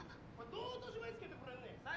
どう落としまえつけてくれんねん！